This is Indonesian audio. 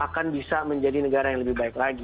akan bisa menjadi negara yang lebih baik lagi